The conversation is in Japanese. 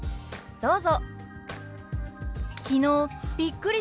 どうぞ。